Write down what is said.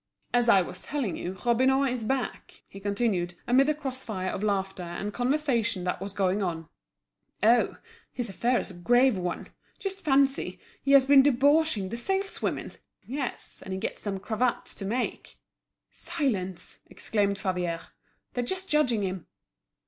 "As I was telling you, Robineau is back," he continued, amid the cross fire of laughter and conversation that was going on. "Oh! his affair is a grave one. Just fancy, he has been debauching the saleswomen! Yes, and he gets them cravats to make!" "Silence!" exclaimed Favier. "They're just judging him."